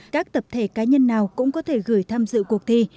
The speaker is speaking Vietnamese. các tập thể cá nhân nào cũng có thể gửi tham dự cuộc thi